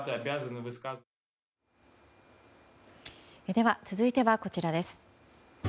では続いてはこちらです。